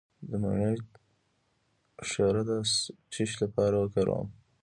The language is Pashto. د مڼې شیره د څه لپاره وکاروم؟